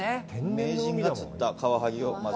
名人が釣ったカワハギをまず。